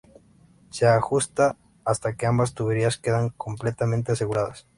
Se ajusta hasta que ambas tuberías quedan completamente aseguradas.